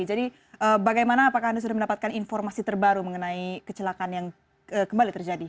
jadi bagaimana apakah anda sudah mendapatkan informasi terbaru mengenai kecelakaan yang kembali terjadi